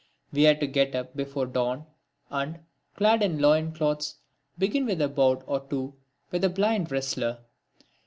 We had to get up before dawn and, clad in loin cloths, begin with a bout or two with a blind wrestler.